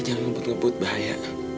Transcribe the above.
jangan ngebut ngebut bahaya